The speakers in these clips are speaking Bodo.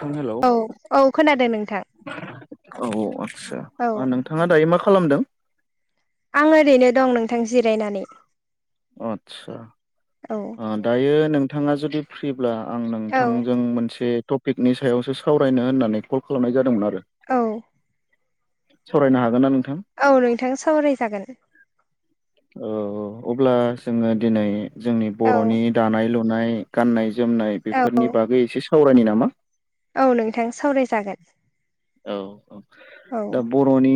थां हेलौ औ औ खोनादों नोंथां औ आस्सा औ नोंथाङा दायो मा खालामदों आं ओरैनो दं नोंथां जिरायनानै आतसा औ दायो नोंथाङा जुदि फ्रिब्ला आं औ नोंथांजों मोनसे टपिकनि सायावसो सावरायनो होननानै कल खालामनाय जादोंमोन आरो औ सावरायनो हागोन ना नों औ नोंथा सावराय जागोन औ औ अब्ला जोङो दिनै जोंनि औ बर'नि दानाय लुनाय गाननाय जोम जोमनाय औ बेफोरनि बागै एसे सावरायनि नामा औ नोंथां सावरायजागोन औ औ औ दा बर'नि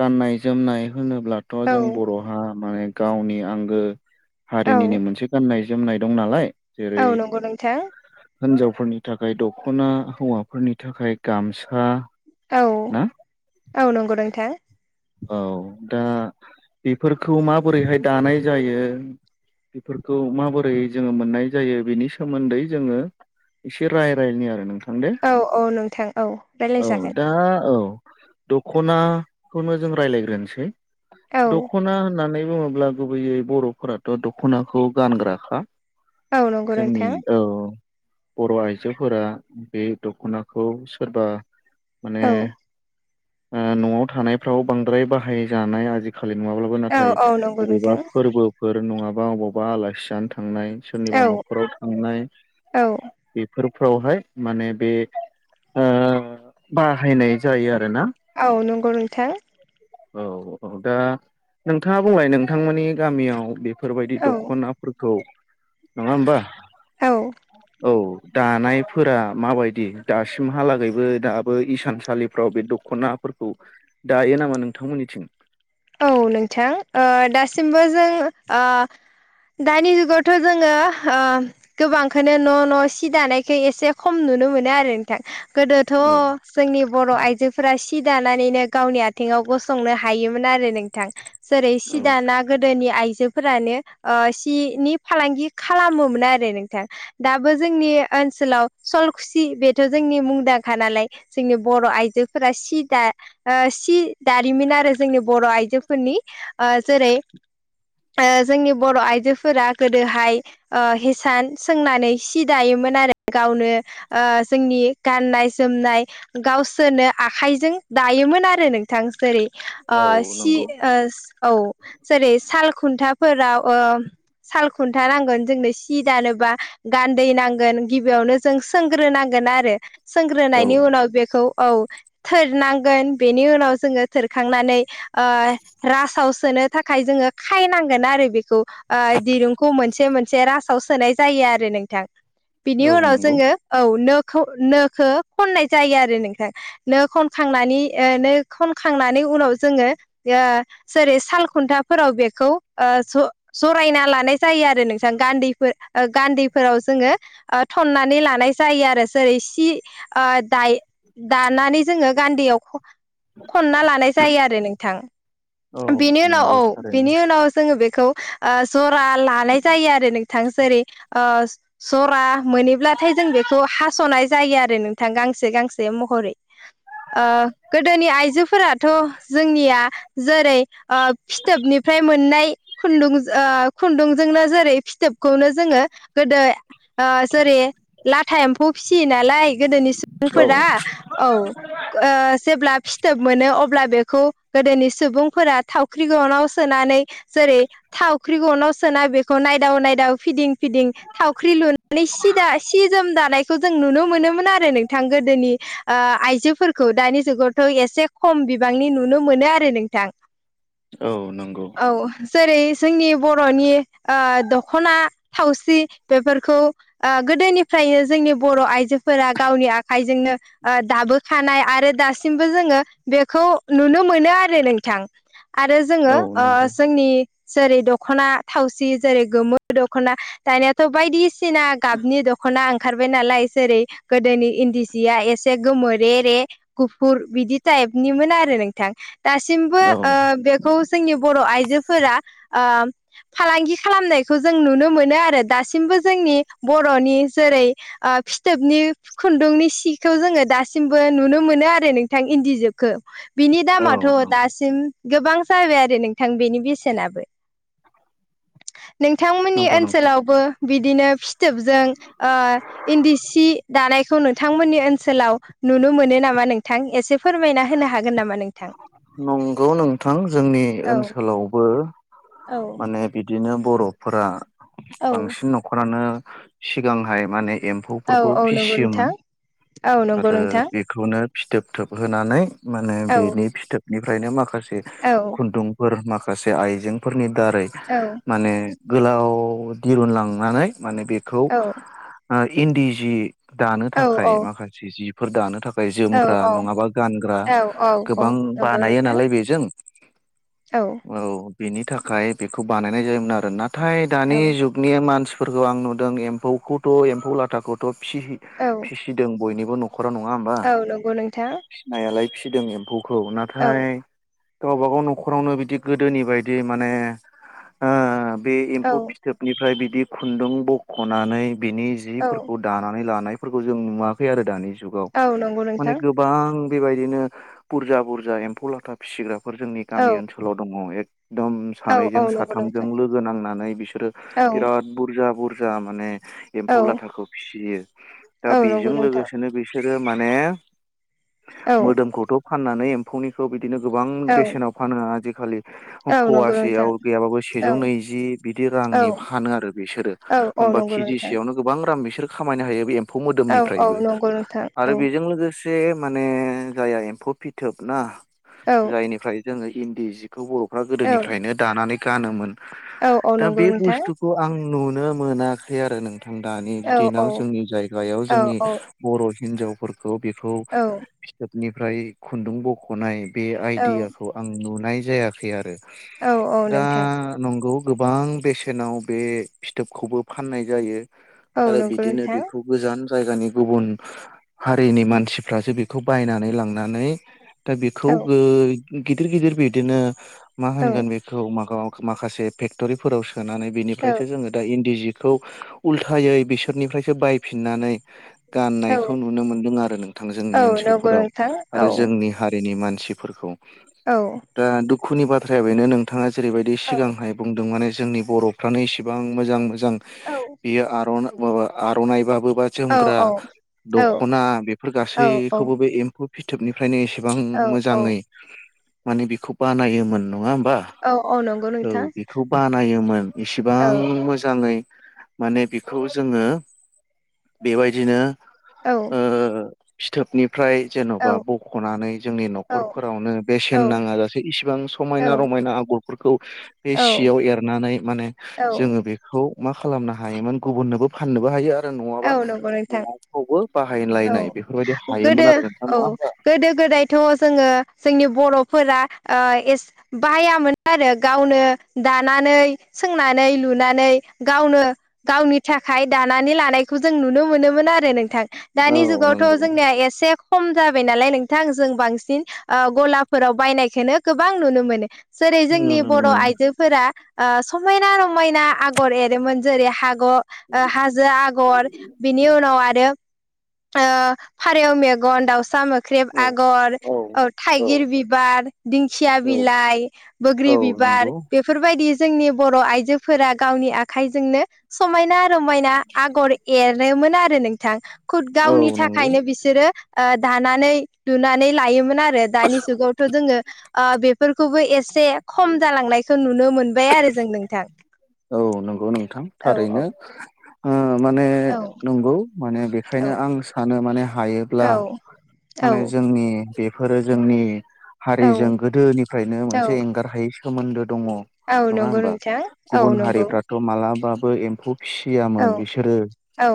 गाननाय जोमनाय होनोब्लाथ' औ जों बर'हा माने गावनि आंगो औ हारिनिनो मोनसे गाननाय जोमनाय दं नालाय औ नंगौ नोंथां होनजावफोरनि थाखाय दख'ना हौवाफोरनि थाखाय गामसा औ ना औ नंगौ नोंथां औ दा बेफोरखौ माबोरैहाय दानाय जायो बेफोरखौ माबोरै जोङो मोननाय जायो बेनि सोमोन्दै जोङो एसे रायरायनि आरो नोंथां दे औ औ नोंथां औ औ रायलायजागोन दा औ दख'नाखौनो जों राय्लायग्रोसै औ दख'ना होननानै बुङोब्ला गुबैयै बर'फोराथ' दख'नाखौ गानग्राखा औ नंगौ जोंनि नोंथां औ औ बर' आइजोफोरा बे दख'नाखौ सोरबा माने औ ओ न'आव थानायफ्राव बांद्राय बाहायजानाय आजि खालि नङाब्लाबो औ नाथाय औ नंगौ बबेबा नोंथां फोरबोफोर नङाबा अबावबा आलासि जानो था थांनाय औ सोरनिबा न'खराव थांनाय औ बेफोर फ्रावहाय माने बे ओ बाहायनाय जायो आरोना। औ नंगौ नोंथां। औ औ दा नोंथाङा बुंलाय नोंथांमोननि गामियाव। बेफोरबायदि औ दख'नाफोरखौ नङाहोमबा औ औ। दानायफोरा माबायदि दासिमहालागैबो दाबो इसानसालिफ्राव बे दख'ना। फोरखौ दायो नामा नोंथांमोननिथिं औ नोंथां ओ दासिमबोओ जों ओ। दानि जुगावथ' जोङो ओ गोबांखौनो न' न' सि दानायखौ एसे खम नु नुनो मोनो आरो नोंथां गोदोथ' औ जोंनि बर' आइजोफोरा सि दानानैनो गावनि आथिङाव गसंनो हायोमो न आरोनोंथां जैरै औ सि दाना गोदोनि आइजो। जोफोरानो ओ सिनि फालांगि खालामोमोन आरो नोंथां दाबो जोंनि ओ ओनसोलाव सलखुसि बेथ' जोंनि मुंदांखा नालाय जोंनि बर' आइजोफोरा सिदा ओ सि दारिमिन आरो जोंनि बर' आइजोफोरनि ओ जेरै ओ जोंनि बर' आइजोफोरा गोदोहाय हेसान सोंनानै सि दायो मोन आरो गावनो ओ जोंनि गाननाय जोमनाय गावसोरनो आखाइजों दायोमोन आरो नोंथां जेरै ओ औ सि नंगौ ओस औ जेरै साल खुन्था फोराव औ साल खुन्था नांगोन जोंनो सि दानोबा गान्दै नांगोन गिबियाव नो जों सोग्रोनांगोन आरो सोंग्रोनायनि औ उनाव बेखौ औ थोरनांगोन बेनि उनाव जोङो थोरखांनानै ओ रासाव सोनो थाखाय जोङो खायनांगोन आरो बेखौओ दिरुंखौ मोन से मोनसे रासोआव सोनाय जायो आरो नोंथां बिनि औ उनाव नंगौ जोंङो औ नो खौ नोखो खननाय जायो आरो नोंथां नो खनखांनानै ओ नो खनखांनानै उनाव जोङो यो जेरै साल खुन्थाफोराव बेखौ ओ ज जरायना लानाय जायो आरो नोंथां गान्धैफोर गान्धैफोराव जोङो ओ थन्नानै लानाय जायो आरो जेरै सिओ दाय दानानै जोङो गान्दैयाव खनना लानाय जायो आरो नोंथां औ बेनि उनाव नंगौ औ थारैनो बिनि उनाव जोङो बेखौओ जरा लानाय जायो आरो नोंथां जेरै ओ जरा मोनोब्लाथाय जों बेखौ हास'नाय जायो आरो नोंथां गांसे गां गांसे महरैओ ओ गोदोनि आइजोफोरा थ' जोंनिया जेरैओ फिथोबनिफ्राय मोननाय खुन्दुंजो ओ खुन्दुंजोंनो जेरै फिथोबखौनो जोङो गोदो जेरै लाथा एम्फौ फिसियो नालाय गोदोनि औ सुबुंफोरा औ ओ जेब्ला फिथोब मोनो अब ब्ला बेखौ गोदोनि सुबुंफोरा थावख्रि गनाव सोनानै जेरै थावख्रि गनाव सोना बेखौ नायदाव नायदाव फिदिं फिदिं थावख्रि लुनानै सिदा सि जोम दानायखौ जों नुनो मोनोमोन आरो नोंथां। गोदोनि आइजोफोरखौ दानि जुगावथ' एसे खम बिबां बांनि नुनो मोनो आरो नोंथां। औ नंगौ औ जेरै जोंनि बर'नि ओ दख'ना थावसि बेफोरखौ ओ गोदोनिफ्राय नो जोंनि बर' आइजोफोरा गावनि आखाइजोंनो ओ दाबोखानाय आरो दासिमबो जोङो बे खौ नुनो मोनो आरो नोंथां। आरो जोङो औ ओ नंगौ जोंनि जेरै दख'ना थावसि जेरै गोमो दख'ना दानियाथ' बायदि सिना गाबनि दख'ना ओंखारबाय नालाय जेरै गोदोनि इन्दि जिया एसे गोमो रे रे गुफुर बिदि टाइप मोन आरो नोंथां। दासिमबो औ ओ बेखौ जोंनि बर' आइजोफोरा ओ फालांगि खालामनायखौ जों नुनो मोनो आरो दासिमबो जोंनि बर'नि जेरै ओ फिथोबनि खुन्दुंनि सिखौ जोङो दासिमबो नुनो मोनो आरो नोंथां इन्दिजोब खौ बिनि औ दामाथ' दासिम गोबां जाबाय आरो नोंथां बेनि बेसेनाबो। नोंथांमोननि नंगौ नोंथां ओनसोलावबो बि दिनो फिथोबजों ओ इन्दि सि दानायखौ नोंथांमोननि ओनसोलाव नुनो मोनो नामा नोंथां? एसे फोरमायना होनो हागोन नामा नोंथां? नंगौ नोंथां जोंनि औ ओनसोलावबो औ माने बिदिनो बर'फोरा औ बांसिन न'खरानो सिगांहाय माने औ एम्फौफोरखौ औ नंगौ फिसियोमोन। नोंथां औ नंगौ आरो नोंथां बेखौनो फिथोब थोबहानै माने औ बेनि फिथोब निफ्रायनो माखासे औ खुन्दुंफोर माखासे आइजेंफोरनि दारै औ माने गोलाव दिरुनलांनानै माने बेखौ औ इन्दि जि दानो औ थाखाय औ माखासे जिफोर दानो था खाय जोमग्रा औ नङाबा गानग्रा औ औ औ गोबां नंगौ बानायो नोंथां नालाय बेजों औ बेनि थाखाय बेखौ बानायनाय जायोमोन आरो। ना थाय दानि औ जुगनि मानसिफोरखौ आं नुदों एम्फौखौथ' एम्फौ लाथाखौथ' औ फि-फिसिदों बयनिबो न'खरा नङा होनबा? औ नंगौ नोंथां फिसिनायालाय फिदों एम्फौखौ। औ नाथाय गावबागाव न'खरावनो बिदि गोदोनि बायदि माने ओ बे औ एम्फौ फिथोबनिफ्राय बिदि खुन्दुं बख'नानै बिनि औ जिफोरखौ दानानै लानाय फोरखौ जों नुवाखै आरो दानि जुगाव। औ नंगौ माने नोंथां गोबां बेबायदिनो बुरजा बुरजा रजा एम्फौ लाथा फिसिग्राफोर जोंनि औ गामि ओनसोलाव दङ'। ए एकदम औ औ सानैजों नंगौ साथामजों नोंथां लोगो नांनानै बिसोरो औ बिराद बुरजा बुरजा माने एम्फौ औ लाथाखौ फिसियो। दा औ नंगौ बेजों नोंथां लोगोसेनो बिसोरो माने औ मोदोमखौथ' फाननानै एम्फौनिखौ बिदिनो गोबां औ बेसेनाव फानो आजिखालि औ नंगौ नोंथां फवासेयाव गैयाबाबो औ सेजौ नैजि बिदि औ रांनि फानो आरो बिसोरो औ औ बा नंगौ नोंथां केजिसेयावनो गोबां रां बिसोर खामायनो हायोष बे एम फौ औ औ मोदोमनिफ्रायबो। नंगौ नोंथां आरो औ बेजों लोगोसे से माने जायहा एम्फौ फिथोब ना औ जायनिफ्राय जोङो इन्दि जि खौ बर'फ्रा औ गोदोनिफ्रायनो दानानै गानोमोन औ औ दा नंगौ बे नोंथां बुस्थुखौ आं नुनो मोनाखै आरो नोंथां दानि औ दिनाव जोंनि जायगायाव औ जोंनि औ बर' हिनजावफोरखौ बेखौ फिथोबनिफ्राय खुन्दुं बख'नाय बे औ आइडियाखौ आं नुनाय जायाखै आरो। औ औ दा नोंथां नंगौ गोबां बेसेनाव बे फिथोबखौबो फाननाय जायो। औ आरो नंगौ बिदिनो नोंथां बेखौ गोजान जायगानि गुबुन हारिनि मानसिफ्रासो बेखौ बायनानै लांनानै दा बेखौ औ गो गिदिर गिदिर बिदिनो मा औ होनगोन बेखौ माबा माखासे फेक्टरिफोराव सोनानै औ बेनिफ्रायसो जोङो दा इन्दि जि खौ उल्थायै बिसोरनिफ्रायसो बायफिननानै औ गाननायखौ नुनो मोनदों आरो नोंथां जोंनि औ नंगौ ओनसोलफोराव नोंथां औ आरो जोंनि [unintelligible] मानसिफोरखौ औ दा दुखुनि बाथ्राया बेनो नोंथाङा। जेरैबायदि औ सिगांहाय बुंदों माने जोंनि बरफ्रानो इसिबां मोजां मोजां औ बियो आरना माबा आरनाइबाबो बा औ जोमग्रा औ दखना बेफोर औ गासैखौबो बे एम्फौ फिथोबनिफ्रायनो एसे बां औ औ मोजाङै माने बेखौ बानायोमोन नङा होम बा औ नंगौ औ नोंथां बेखौ बानायोमोन औ इसिबां मोजाङै माने बेखौ जोङो बेबायदिनो औ। ओ फिथोबनिफ्राय औ जेनबा बखनानै नि औ न'खरफोरावनो बेसेन नाङा जासे इसिबां औ समायना रमायना आगरफोरखौ बे औ सियाव एरनानै माने औ जोङो बेखौ मा खालामनो हायोमोन गुबुननोबो फाननोबो हायो आरो नङाबा औ नंगौ नोंथां न'आवफ्रावबो बाहायलायनाय औ बेफोरबायदि हायोमोन आरो नोंथां नङा होमबा? थ' जोङो जोंनि बर'फोरा ओ एस बाहायामोन आरो गावनो दा नानै सोंनानै लुनानै गावनो गावनि थाखाय दानानै लानायखौ जो जों नुनो मोनोमोन आरो नोंथां औ दानि जुगावथ' नंगौ जोंनिया एसे खम जाबाय नालाय नोंथां जों बांसिन ओ गलाफोराव बायनायखौनो गोबां नुनो मोनो। जेरै- जोंनि नुनो बर' मोनो आइजोफोरा ओ समायना रमायना आगर एरोमोन जेरै- हा ग ओ हाजो आगर बिनि उनाव आरो ओ फारेव मेगन दाउसा मो ख्रेब औ आगर औ थाइगिर बिबार दिंखिया औ बिलाइ बोग्रि औ बिबा बार नंगौ बेफोरबायदि जोंनि बर' आइजोफोरा गावनि आखाइजोंनो समायना रमायना आगर एर रोमोन आरो नोंथां खुद औ गावनि नंगौ थाखायनो बिसोरो ओ दानानै लुनानै लायोमोन आरो दानि जुगावथ' जोङो ओ बेफोरखौबो एसे खम जालांनायखौ नुनो मोनबाय आरो जों नोंथां। औ नंगौ नोंथां औ थारैनो औ ओ माने औ नंगौ माने बेखायनो आं सानो माने हायोब्ला औ औ माने जोंनि बे फोरो जोंनि औ हारिजों गोदोनिफ्रायनो औ मोनसे एंगार हायै सोमोन्दो दङ औ नङा नंगौ होमबा नोंथां। औ गुबुन नंगौ हारिफ्राथ' मालाबाबो एम्फौ औ फिसियामोन बिसोरो औ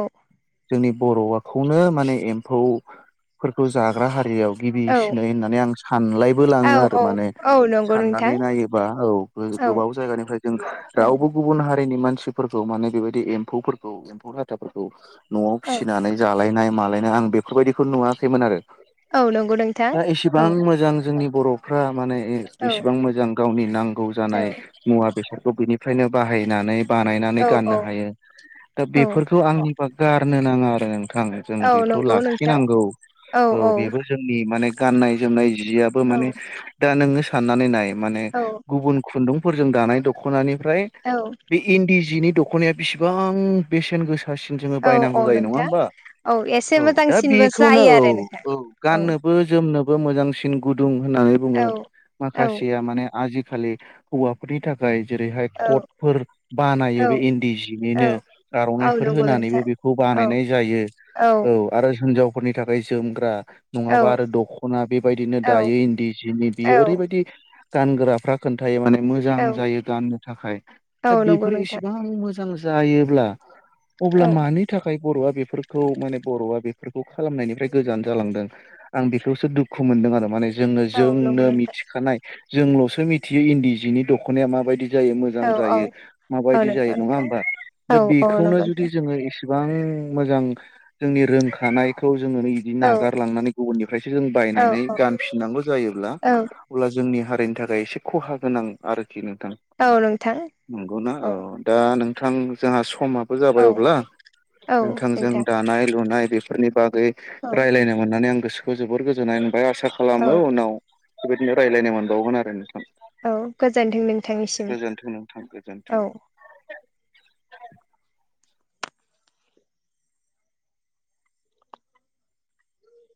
जोंनि बर'खौनो माने एम्फौफोरखौ जाग्रा हारियाव गिबि औ सिनाय होननानै आं सानलायबो औ लाङो आरो औ माने औ नंगौ साननानै नोंथां नायोबा औ औ गो-गोबाव जायगानिफ्राय जों औ रावबो गुबुन हारिनि मानसिफोरखौ माने बेबायदि एम्फौफोरखौ एम्फौ लाथाफोरखौ। न'आव औ फिसिनानै जालायनाय मालायनाय आं बेफोरबायदिखौ नुवाखैमोन आरो। औ नंगौ नोंथां दा औ एसेबां मोजां जोंनि बर'फ्रा माने औ इसेबां मोजां गावनि नांगौ औ जानाय मुवा बेसादखौ बिनि फ्रायनो बाहायनानै बानायनानै औ गाननो औ हायो दा बेफोरखौ आंनि बा गारनो नाङा आरो नोंथां जोङो औ बेखौ नंगौ नोंथां लाखिनांगौ औ बेबो जोंनि माने गाननाय जोमनाय जियाबो औ माने दा नोङो साननानै नाय माने गुबुन खुन्दुं फोरजों दानाय दखनानिफ्राय औ बे इन्दि जिनि दखनाया बेसेबां बेसेन गोसा सासिन जोङो औ औ बायनांगौ जायो नङा नोंथां होमबा। एसे औ दा मोजांसिनबो बेखौनो जायो औ आरो नोंथां औ गाननोबो जोमनो बो मोजांसिन गुदुं होननानै औ बुङो माखासेया माने आजि खालि हौवाफोरनि थाखाय जेरैहाय- कट फोर बानायो औ बे इन्दि औ जिनिनो औ आर'नाइफोर नंगौ होनानैबो नोंथां बेखौ औ बानायनाय जायो। जायो औ आरो हिनजावफोरनि थाखाय जोमग्रा औ नङाबा आरो दख'ना बेबायदिनो दायो इन्दि सिनि औ बियो ओरैबायदि गानग्राफ्रा खोन्थायो माने मोजां औ जायो गाननो थाखाय औ दा नंगौ बेफोर नोंथां इसेबां मोजां जायोब्ला अब्ला औ मानि थाखाय बर'आ बेफोरखौ माने बर'आ बेफोरखौ खालामनायनिफ्राय गोजान जालांदों आं बेखौसो दुखु मोनदों। माने जों औ नंगौ जोंनो नोंथां मिथिखानाय जोंल'सो मिथियो इन्दि जिनि दख'नाया मा बायदि मोजां औ औ जायो औ माबायदि जायो नंगौ नङा नोंथां होनबा औ दा औ नंगौ बेखौनो नोंथां जुदि जों एबां मोजां जोंनि रोंखानायखौ जोङनो बिदि औ नागारलांनानै गुबुननिफ्रायसो जों औ बायनानै गानफिननांगौ जायोब्ला औ अब्ला जोंनि हारिनि थाखाय एसे खहा गोनां आरोखि नोंथां औ नोंथां नंगौना औ दा नों नोंथां जोंहा समाबो औ जाबाय अब्ला औ नोंथांजों नोंथां दानाय लुनाय बेफोरनि बागै औ रायलायनो मोननानै आं गोसोखौ जोबोर गोजोननाय मोनबाय आसा औ खालामो उनाव बेबायदिनो रायज्लायनो मोनबावगोन आरो नोंथां औ गोजोनथों नों गोजोनथों नोंथां गोजोनथों।